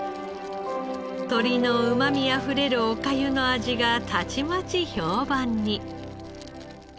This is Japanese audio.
鶏のうまみあふれるお粥の味がたちまち評判に。